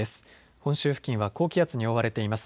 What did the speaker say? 本州付近は高気圧に覆われています。